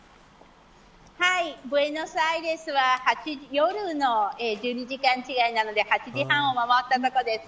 はい、ブエノスアイレスは夜、１２時間違いなので８時半を回ったところです。